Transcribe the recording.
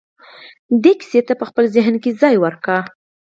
دې کيسې ته په خپل ذهن کې ځای ورکړئ.